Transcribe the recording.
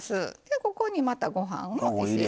ここにまたご飯を入れて。